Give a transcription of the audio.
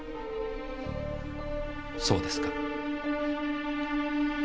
そうですか。